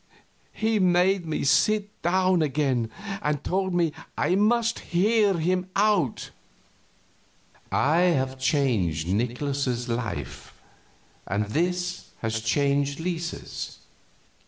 He made me sit down again, and told me I must hear him out. "I have changed Nikolaus's life, and this has changed Lisa's.